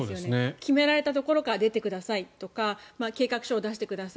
決められたところから出てくださいとか計画書を出してください